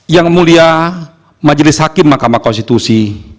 yang mulia majelis hakim mahkamah konstitusi